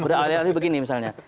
beralih alih begini misalnya